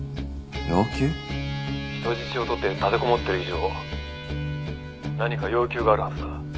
「人質を取って立てこもっている以上何か要求があるはずだ」